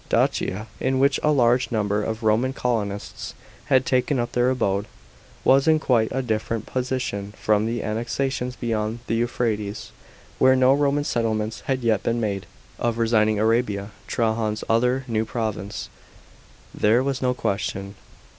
Dacia, in which a large number of Roman colonists had taken up their abode, was in quite a different position from the annexations beyond the Euphrates, where no Roman settlements had yet been made. Of resigning Arabia, Trajan's other new province, there was no question.